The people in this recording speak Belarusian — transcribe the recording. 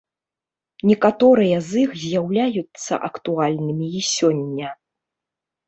Некаторыя з іх з'яўляюцца актуальнымі і сёння.